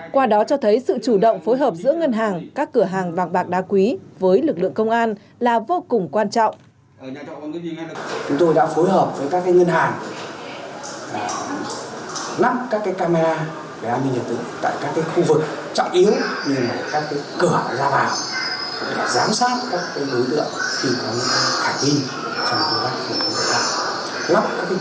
qua đó cho thấy sự chủ động phối hợp giữa ngân hàng các cửa hàng vàng bạc đa quý với lực lượng công an là vô cùng quan trọng